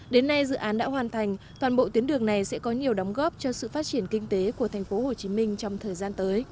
đến nay dự án đã hoàn thành toàn bộ tuyến đường này sẽ có nhiều đóng góp cho sự phát triển kinh tế của tp hcm trong thời gian tới